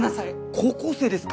高校生ですか？